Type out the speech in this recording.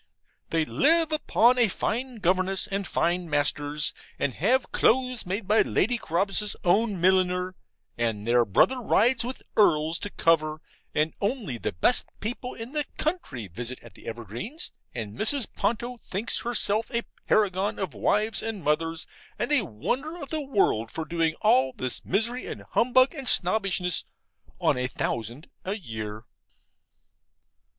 They live upon a fine governess and fine masters, and have clothes made by Lady Carabas's own milliner; and their brother rides with earls to cover; and only the best people in the county visit at the Evergreens, and Mrs. Ponto thinks herself a paragon of wives and mothers, and a wonder of the world, for doing all this misery and humbug, and snobbishness, on a thousand a year.